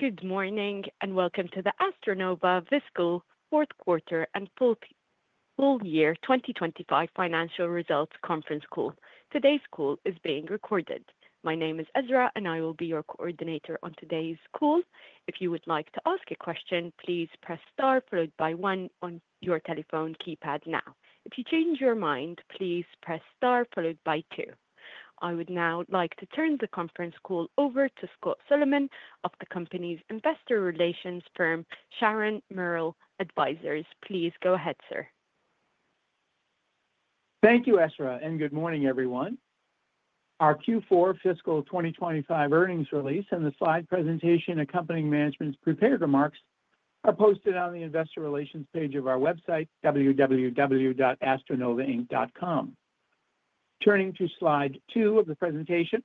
Good morning and welcome to the AstroNova Fiscal Fourth Quarter and Full Year 2025 Financial Results Conference Call. Today's call is being recorded. My name is Ezra, and I will be your coordinator on today's call. If you would like to ask a question, please press star followed by one on your telephone keypad now. If you change your mind, please press star followed by two. I would now like to turn the conference call over to Scott Solomon of the company's investor relations firm, Sharon Merrill Advisors. Please go ahead, sir. Thank you, Ezra, and good morning, everyone. Our Q4 Fiscal 2025 earnings release and the slide presentation accompanying management's prepared remarks are posted on the investor relations page of our website, www.astronovainc.com. Turning to slide two of the presentation,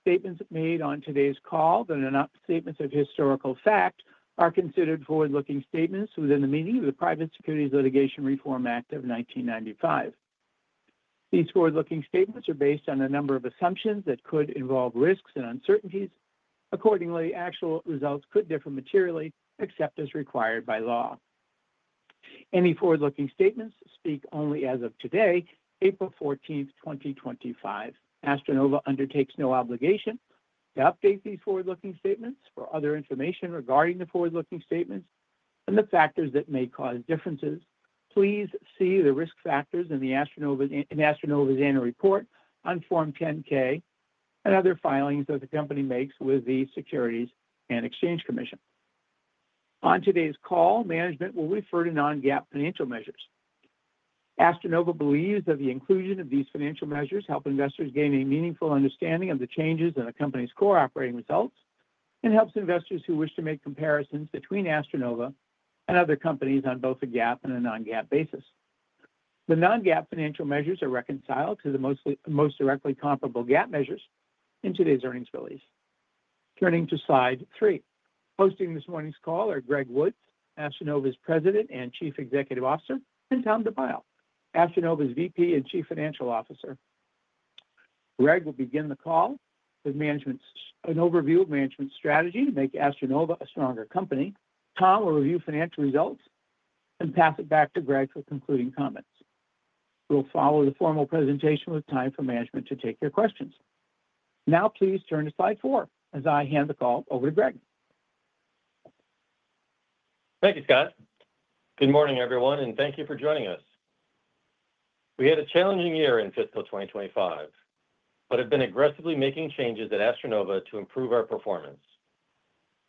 statements made on today's call that are not statements of historical fact are considered forward-looking statements within the meaning of the Private Securities Litigation Reform Act of 1995. These forward-looking statements are based on a number of assumptions that could involve risks and uncertainties. Accordingly, actual results could differ materially except as required by law. Any forward-looking statements speak only as of today, April 14th, 2025. AstroNova undertakes no obligation to update these forward-looking statements. For other information regarding the forward-looking statements and the factors that may cause differences, please see the risk factors in AstroNova's annual report on Form 10-K and other filings that the company makes with the Securities and Exchange Commission. On today's call, management will refer to non-GAAP financial measures. AstroNova believes that the inclusion of these financial measures helps investors gain a meaningful understanding of the changes in the company's core operating results and helps investors who wish to make comparisons between AstroNova and other companies on both a GAAP and a non-GAAP basis. The non-GAAP financial measures are reconciled to the most directly comparable GAAP measures in today's earnings release. Turning to slide three, hosting this morning's call are Greg Woods, AstroNova's President and Chief Executive Officer, and Tom DeByle, AstroNova's VP and Chief Financial Officer. Greg will begin the call with an overview of management's strategy to make AstroNova a stronger company. Tom will review financial results and pass it back to Greg for concluding comments. We'll follow the formal presentation with time for management to take your questions. Now, please turn to slide four as I hand the call over to Greg. Thank you, Scott. Good morning, everyone, and thank you for joining us. We had a challenging year in fiscal 2025, but have been aggressively making changes at AstroNova to improve our performance.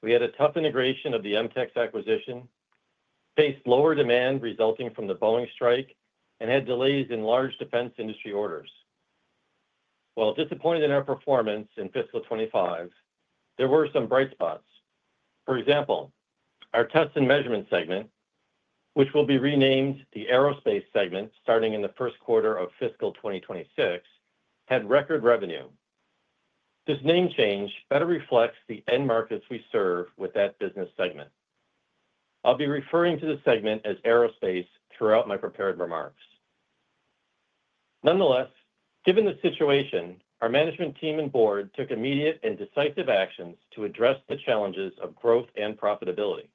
We had a tough integration of the MTEX acquisition, faced lower demand resulting from the Boeing strike, and had delays in large defense industry orders. While disappointed in our performance in fiscal 2025, there were some bright spots. For example, our tests and measurement segment, which will be renamed the aerospace segment starting in the first quarter of fiscal 2026, had record revenue. This name change better reflects the end markets we serve with that business segment. I'll be referring to the segment as aerospace throughout my prepared remarks. Nonetheless, given the situation, our management team and board took immediate and decisive actions to address the challenges of growth and profitability.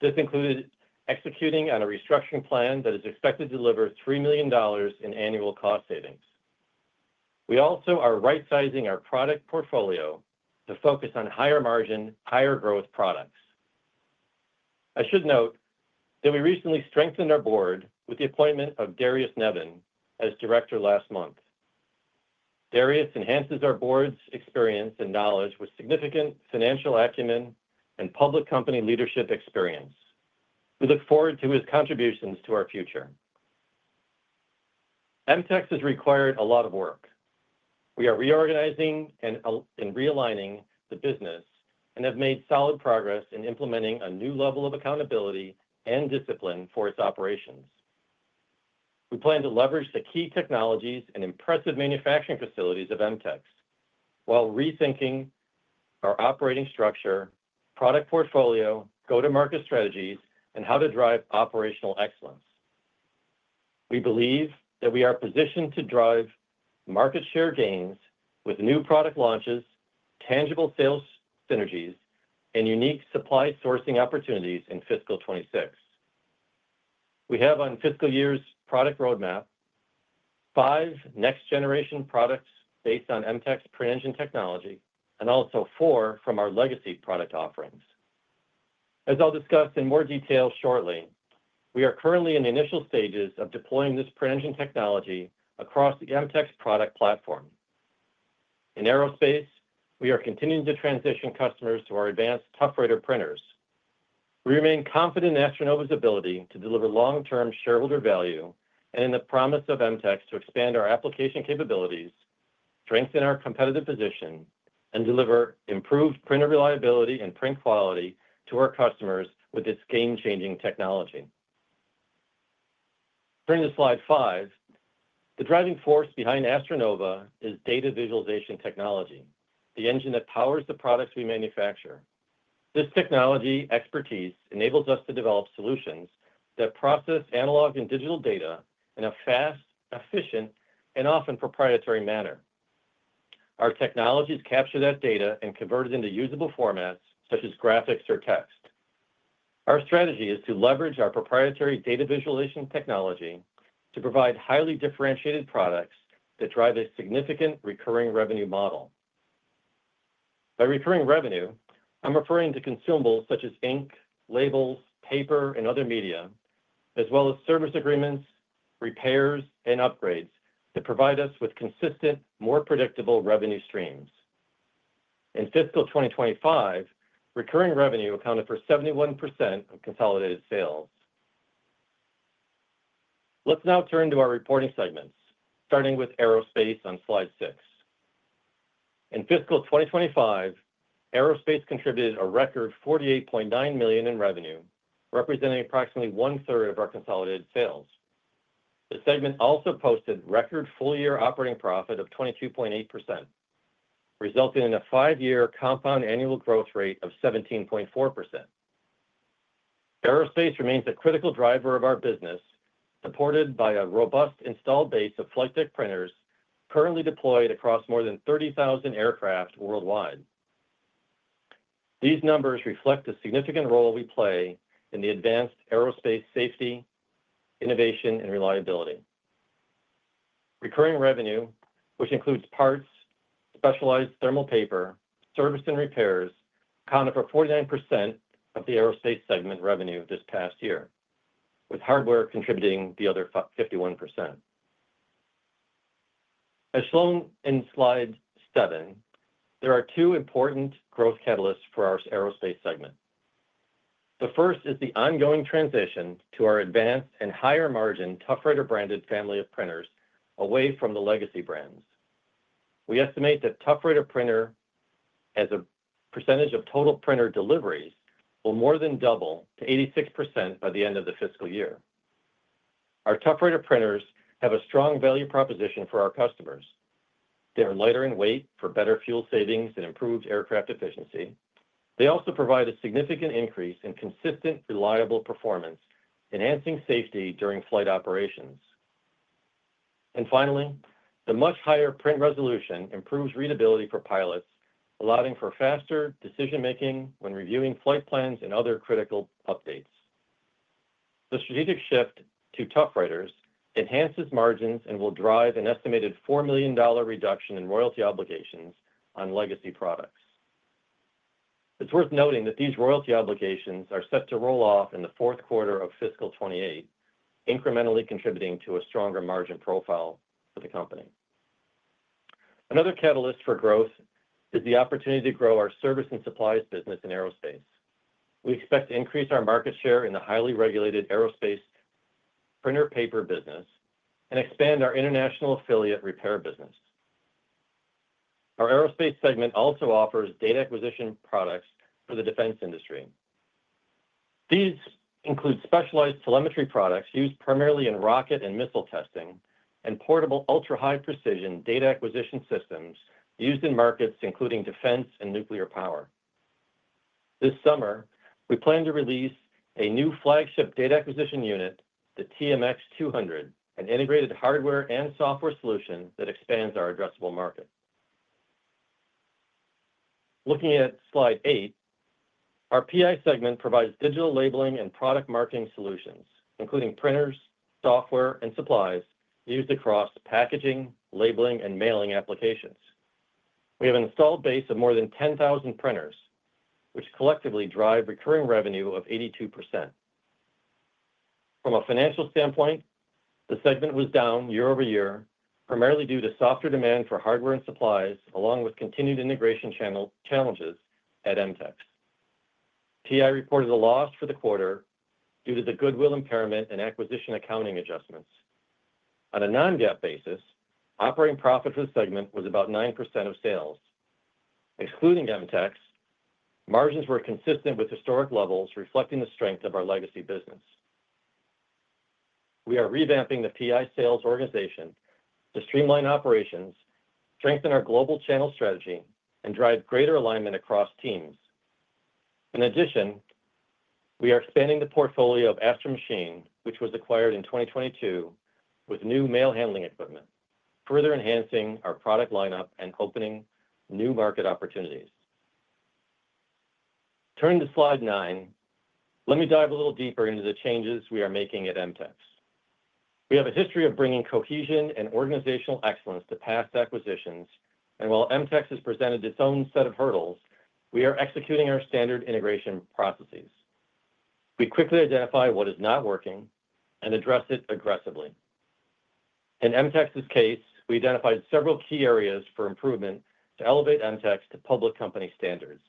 This included executing on a restructuring plan that is expected to deliver $3 million in annual cost savings. We also are right-sizing our product portfolio to focus on higher margin, higher growth products. I should note that we recently strengthened our board with the appointment of Darius Nevin as director last month. Darius enhances our board's experience and knowledge with significant financial acumen and public company leadership experience. We look forward to his contributions to our future. MTEX has required a lot of work. We are reorganizing and realigning the business and have made solid progress in implementing a new level of accountability and discipline for its operations. We plan to leverage the key technologies and impressive manufacturing facilities of MTEX while rethinking our operating structure, product portfolio, go-to-market strategies, and how to drive operational excellence. We believe that we are positioned to drive market share gains with new product launches, tangible sales synergies, and unique supply sourcing opportunities in fiscal 2026. We have on this fiscal year's product roadmap five next-generation products based on MTEX's print engine technology and also four from our legacy product offerings. As I'll discuss in more detail shortly, we are currently in the initial stages of deploying this print engine technology across the MTEX product platform. In aerospace, we are continuing to transition customers to our advanced tough-rated printers. We remain confident in AstroNova's ability to deliver long-term shareholder value and in the promise of MTEX to expand our application capabilities, strengthen our competitive position, and deliver improved printer reliability and print quality to our customers with this game-changing technology. Turning to slide five, the driving force behind AstroNova is data visualization technology, the engine that powers the products we manufacture. This technology expertise enables us to develop solutions that process analog and digital data in a fast, efficient, and often proprietary manner. Our technologies capture that data and convert it into usable formats such as graphics or text. Our strategy is to leverage our proprietary data visualization technology to provide highly differentiated products that drive a significant recurring revenue model. By recurring revenue, I'm referring to consumables such as ink, labels, paper, and other media, as well as service agreements, repairs, and upgrades that provide us with consistent, more predictable revenue streams. In fiscal 2025, recurring revenue accounted for 71% of consolidated sales. Let's now turn to our reporting segments, starting with aerospace on slide six. In fiscal 2025, aerospace contributed a record $48.9 million in revenue, representing approximately one-third of our consolidated sales. The segment also posted record full-year operating profit of 22.8%, resulting in a five-year compound annual growth rate of 17.4%. Aerospace remains a critical driver of our business, supported by a robust installed base of FlightTech printers currently deployed across more than 30,000 aircraft worldwide. These numbers reflect the significant role we play in the advanced aerospace safety, innovation, and reliability. Recurring revenue, which includes parts, specialized thermal paper, service, and repairs, accounted for 49% of the aerospace segment revenue this past year, with hardware contributing the other 51%. As shown in slide seven, there are two important growth catalysts for our aerospace segment. The first is the ongoing transition to our advanced and higher-margin ToughWriter branded family of printers away from the legacy brands. We estimate that ToughWriter printer, as a percentage of total printer deliveries, will more than double to 86% by the end of the fiscal year. Our tough-rated printers have a strong value proposition for our customers. They are lighter in weight for better fuel savings and improved aircraft efficiency. They also provide a significant increase in consistent, reliable performance, enhancing safety during flight operations. Finally, the much higher print resolution improves readability for pilots, allowing for faster decision-making when reviewing flight plans and other critical updates. The strategic shift to tough-raters enhances margins and will drive an estimated $4 million reduction in royalty obligations on legacy products. It is worth noting that these royalty obligations are set to roll off in the fourth quarter of fiscal 2028, incrementally contributing to a stronger margin profile for the company. Another catalyst for growth is the opportunity to grow our service and supplies business in aerospace. We expect to increase our market share in the highly regulated aerospace printer paper business and expand our international affiliate repair business. Our aerospace segment also offers data acquisition products for the defense industry. These include specialized telemetry products used primarily in rocket and missile testing and portable ultra-high precision data acquisition systems used in markets including defense and nuclear power. This summer, we plan to release a new flagship data acquisition unit, the TMX-200, an integrated hardware and software solution that expands our addressable market. Looking at slide eight, our PI segment provides digital labeling and product marketing solutions, including printers, software, and supplies used across packaging, labeling, and mailing applications. We have an installed base of more than 10,000 printers, which collectively drive recurring revenue of 82%. From a financial standpoint, the segment was down year over year, primarily due to softer demand for hardware and supplies, along with continued integration challenges at MTEX. PI reported a loss for the quarter due to the goodwill impairment and acquisition accounting adjustments. On a non-GAAP basis, operating profit for the segment was about 9% of sales. Excluding MTEX, margins were consistent with historic levels, reflecting the strength of our legacy business. We are revamping the PI sales organization to streamline operations, strengthen our global channel strategy, and drive greater alignment across teams. In addition, we are expanding the portfolio of Astro Machine, which was acquired in 2022, with new mail handling equipment, further enhancing our product lineup and opening new market opportunities. Turning to slide nine, let me dive a little deeper into the changes we are making at MTEX. We have a history of bringing cohesion and organizational excellence to past acquisitions, and while MTEX has presented its own set of hurdles, we are executing our standard integration processes. We quickly identify what is not working and address it aggressively. In MTEX's case, we identified several key areas for improvement to elevate MTEX to public company standards.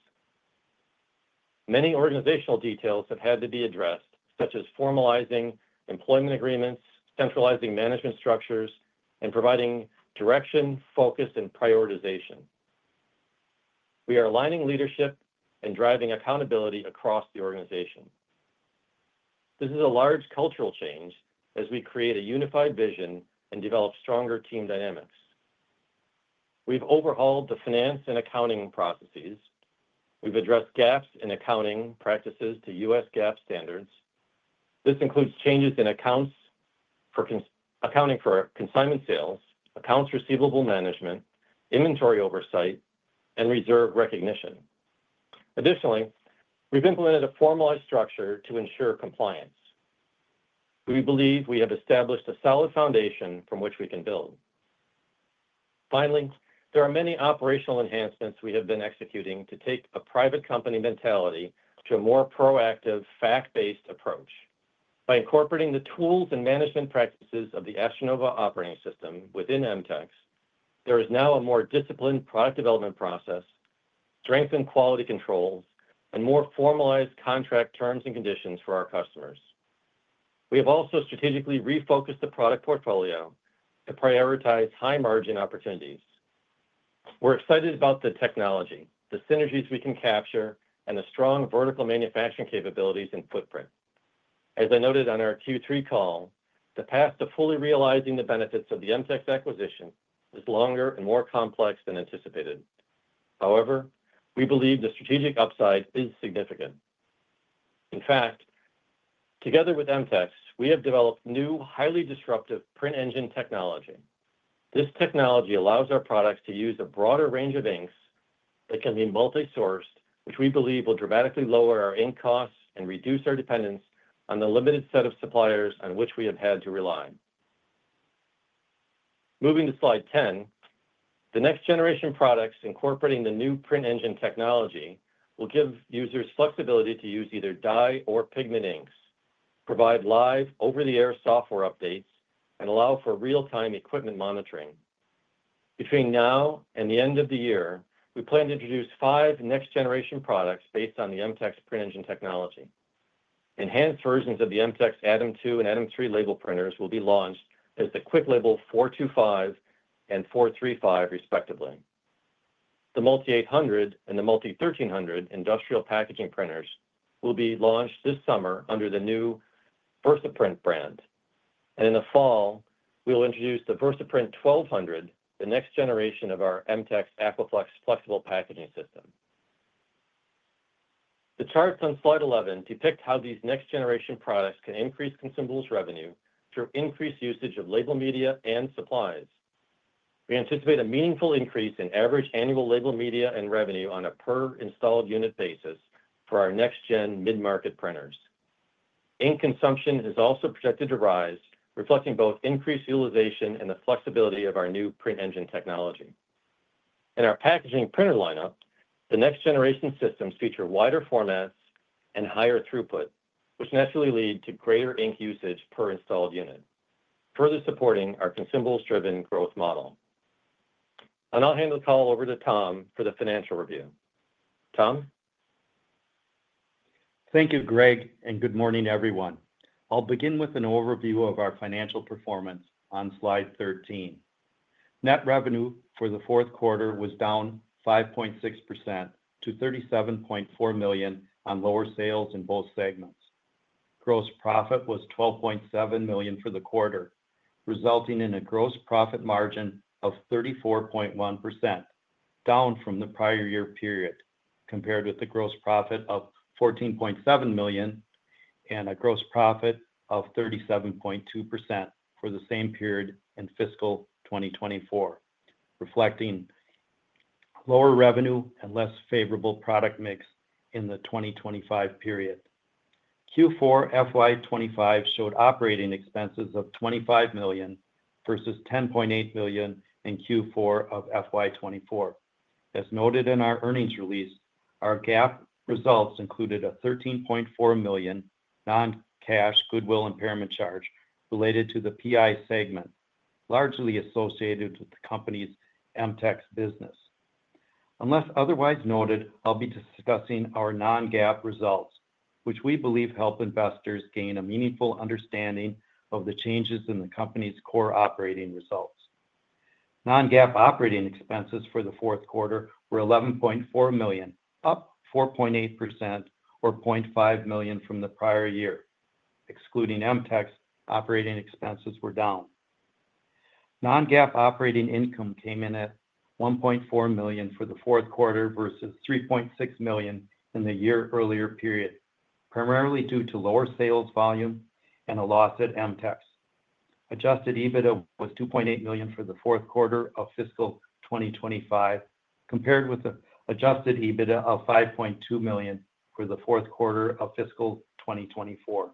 Many organizational details have had to be addressed, such as formalizing employment agreements, centralizing management structures, and providing direction, focus, and prioritization. We are aligning leadership and driving accountability across the organization. This is a large cultural change as we create a unified vision and develop stronger team dynamics. We've overhauled the finance and accounting processes. We've addressed gaps in accounting practices to U.S. GAAP standards. This includes changes in accounts for accounting for consignment sales, accounts receivable management, inventory oversight, and reserve recognition. Additionally, we've implemented a formalized structure to ensure compliance. We believe we have established a solid foundation from which we can build. Finally, there are many operational enhancements we have been executing to take a private company mentality to a more proactive, fact-based approach. By incorporating the tools and management practices of the AstroNova operating system within MTEX, there is now a more disciplined product development process, strengthened quality controls, and more formalized contract terms and conditions for our customers. We have also strategically refocused the product portfolio to prioritize high-margin opportunities. We're excited about the technology, the synergies we can capture, and the strong vertical manufacturing capabilities and footprint. As I noted on our Q3 call, the path to fully realizing the benefits of the MTEX acquisition is longer and more complex than anticipated. However, we believe the strategic upside is significant. In fact, together with MTEX, we have developed new, highly disruptive print engine technology. This technology allows our products to use a broader range of inks that can be multi-sourced, which we believe will dramatically lower our ink costs and reduce our dependence on the limited set of suppliers on which we have had to rely. Moving to slide 10, the next-generation products incorporating the new print engine technology will give users flexibility to use either dye or pigment inks, provide live over-the-air software updates, and allow for real-time equipment monitoring. Between now and the end of the year, we plan to introduce five next-generation products based on the MTEX print engine technology. Enhanced versions of the MTEX Atom 2 and Atom 3 label printers will be launched as the Quick Label 425 and 435, respectively. The Multi 800 and the Multi 1300 industrial packaging printers will be launched this summer under the new VERSAPRINT brand. In the fall, we will introduce the VERSAPRINT 1200, the next generation of our MTEX AquaFlex flexible packaging system. The charts on slide 11 depict how these next-generation products can increase consumables revenue through increased usage of label media and supplies. We anticipate a meaningful increase in average annual label media and revenue on a per-installed unit basis for our next-gen mid-market printers. Ink consumption is also projected to rise, reflecting both increased utilization and the flexibility of our new print engine technology. In our packaging printer lineup, the next-generation systems feature wider formats and higher throughput, which naturally lead to greater ink usage per installed unit, further supporting our consumables-driven growth model. I'll hand the call over to Tom for the financial review. Tom? Thank you, Greg, and good morning, everyone. I'll begin with an overview of our financial performance on slide 13. Net revenue for the fourth quarter was down 5.6% to $37.4 million on lower sales in both segments. Gross profit was $12.7 million for the quarter, resulting in a gross profit margin of 34.1%, down from the prior year period, compared with the gross profit of $14.7 million and a gross profit margin of 37.2% for the same period in fiscal 2024, reflecting lower revenue and less favorable product mix in the 2025 period. Q4 FY25 showed operating expenses of $25 million versus $10.8 million in Q4 of FY24. As noted in our earnings release, our GAAP results included a $13.4 million non-cash goodwill impairment charge related to the PI segment, largely associated with the company's MTEX business. Unless otherwise noted, I'll be discussing our non-GAAP results, which we believe help investors gain a meaningful understanding of the changes in the company's core operating results. Non-GAAP operating expenses for the fourth quarter were $11.4 million, up 4.8% or $0.5 million from the prior year. Excluding MTEX, operating expenses were down. Non-GAAP operating income came in at $1.4 million for the fourth quarter versus $3.6 million in the year earlier period, primarily due to lower sales volume and a loss at MTEX. Adjusted EBITDA was $2.8 million for the fourth quarter of fiscal 2025, compared with an adjusted EBITDA of $5.2 million for the fourth quarter of fiscal 2024.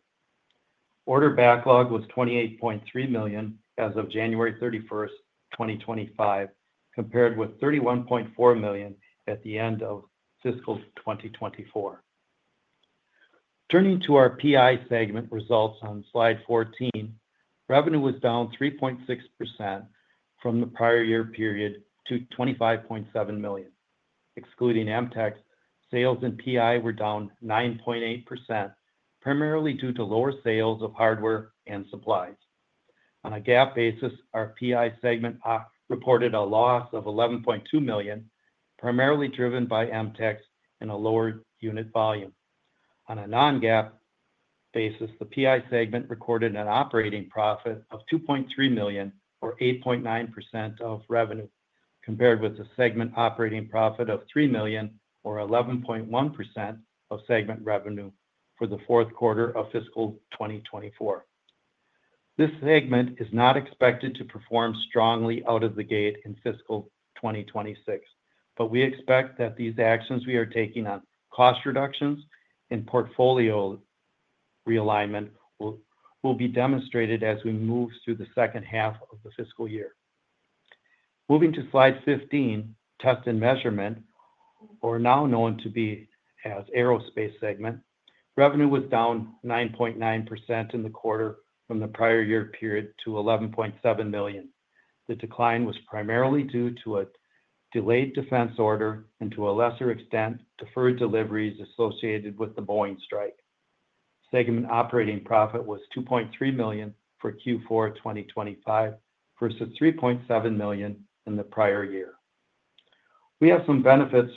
Order backlog was $28.3 million as of January 31, 2025, compared with $31.4 million at the end of fiscal 2024. Turning to our PI segment results on slide 14, revenue was down 3.6% from the prior year period to $25.7 million. Excluding MTEX, sales in PI were down 9.8%, primarily due to lower sales of hardware and supplies. On a GAAP basis, our PI segment reported a loss of $11.2 million, primarily driven by MTEX and a lower unit volume. On a non-GAAP basis, the PI segment recorded an operating profit of $2.3 million or 8.9% of revenue, compared with the segment operating profit of $3 million or 11.1% of segment revenue for the fourth quarter of fiscal 2024. This segment is not expected to perform strongly out of the gate in fiscal 2026, but we expect that these actions we are taking on cost reductions and portfolio realignment will be demonstrated as we move through the second half of the fiscal year. Moving to slide 15, test and measurement, or now known to be as aerospace segment, revenue was down 9.9% in the quarter from the prior year period to $11.7 million. The decline was primarily due to a delayed defense order and, to a lesser extent, deferred deliveries associated with the Boeing strike. Segment operating profit was $2.3 million for Q4 2025 versus $3.7 million in the prior year. We have some benefits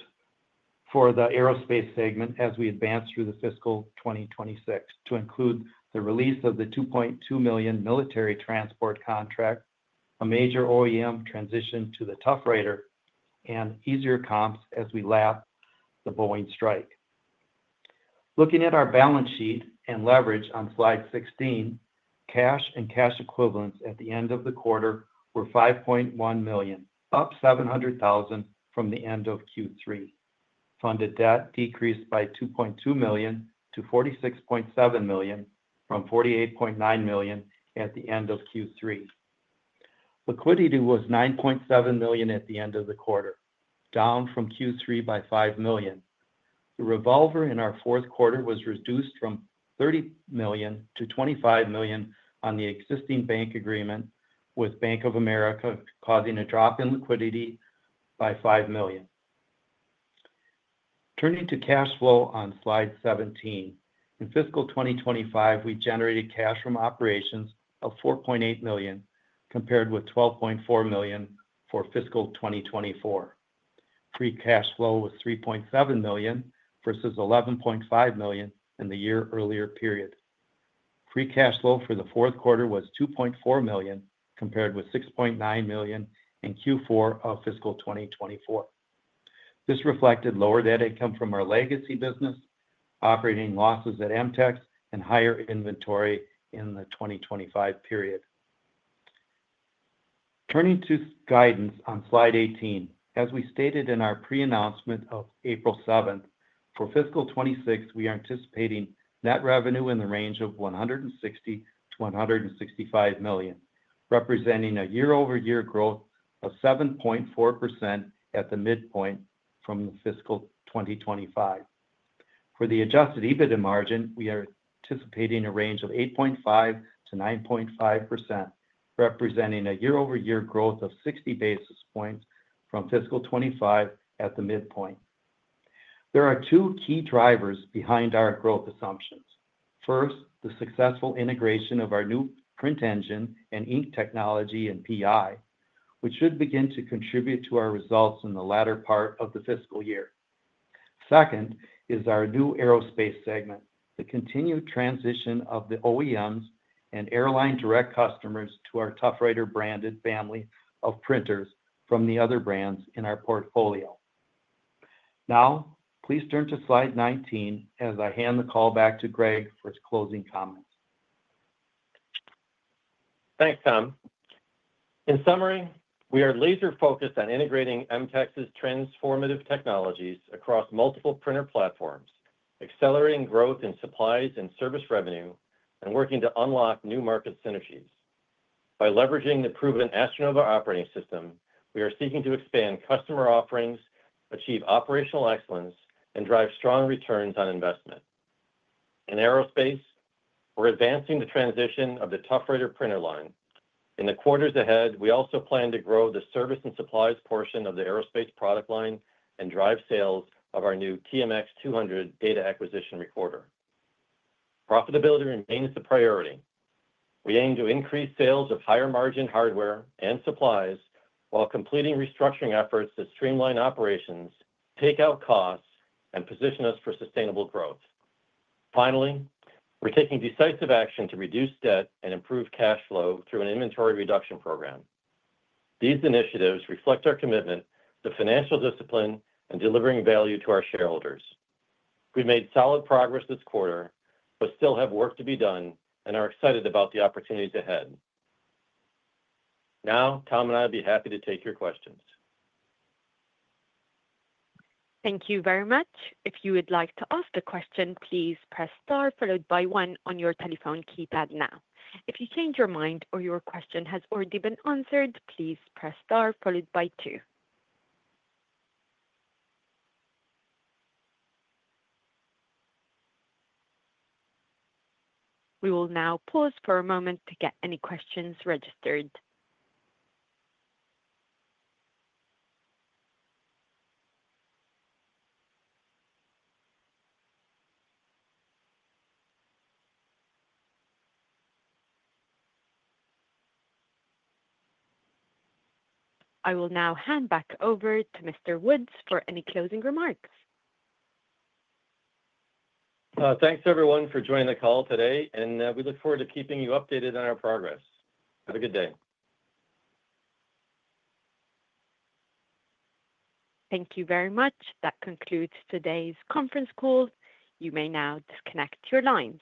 for the aerospace segment as we advance through the fiscal 2026, to include the release of the $2.2 million military transport contract, a major OEM transition to the ToughWriter, and easier comps as we lap the Boeing strike. Looking at our balance sheet and leverage on slide 16, cash and cash equivalents at the end of the quarter were $5.1 million, up $700,000 from the end of Q3. Funded debt decreased by $2.2 million to $46.7 million from $48.9 million at the end of Q3. Liquidity was $9.7 million at the end of the quarter, down from Q3 by $5 million. The revolver in our fourth quarter was reduced from $30 million to $25 million on the existing bank agreement with Bank of America, causing a drop in liquidity by $5 million. Turning to cash flow on slide 17, in fiscal 2025, we generated cash from operations of $4.8 million, compared with $12.4 million for fiscal 2024. Free cash flow was $3.7 million versus $11.5 million in the year earlier period. Free cash flow for the fourth quarter was $2.4 million, compared with $6.9 million in Q4 of fiscal 2024. This reflected lower debt income from our legacy business, operating losses at MTEX, and higher inventory in the 2025 period. Turning to guidance on slide 18, as we stated in our pre-announcement of April 7, for fiscal 2026, we are anticipating net revenue in the range of $160 million-$165 million, representing a year-over-year growth of 7.4% at the midpoint from fiscal 2025. For the adjusted EBITDA margin, we are anticipating a range of 8.5%-9.5%, representing a year-over-year growth of 60 basis points from fiscal 2025 at the midpoint. There are two key drivers behind our growth assumptions. First, the successful integration of our new print engine and ink technology and PI, which should begin to contribute to our results in the latter part of the fiscal year. Second is our new aerospace segment, the continued transition of the OEMs and airline direct customers to our ToughWriter branded family of printers from the other brands in our portfolio. Now, please turn to slide 19 as I hand the call back to Greg for his closing comments. Thanks, Tom. In summary, we are laser-focused on integrating MTEX's transformative technologies across multiple printer platforms, accelerating growth in supplies and service revenue, and working to unlock new market synergies. By leveraging the proven AstroNova operating system, we are seeking to expand customer offerings, achieve operational excellence, and drive strong returns on investment. In aerospace, we're advancing the transition of the ToughWriter printer line. In the quarters ahead, we also plan to grow the service and supplies portion of the aerospace product line and drive sales of our new TMX-200 data acquisition recorder. Profitability remains the priority. We aim to increase sales of higher-margin hardware and supplies while completing restructuring efforts to streamline operations, take out costs, and position us for sustainable growth. Finally, we're taking decisive action to reduce debt and improve cash flow through an inventory reduction program. These initiatives reflect our commitment to financial discipline and delivering value to our shareholders. We've made solid progress this quarter, but still have work to be done and are excited about the opportunities ahead. Now, Tom and I would be happy to take your questions. Thank you very much. If you would like to ask a question, please press star followed by one on your telephone keypad now. If you change your mind or your question has already been answered, please press star followed by two. We will now pause for a moment to get any questions registered. I will now hand back over to Mr. Woods for any closing remarks. Thanks, everyone, for joining the call today, and we look forward to keeping you updated on our progress. Have a good day. Thank you very much. That concludes today's conference call. You may now disconnect your lines.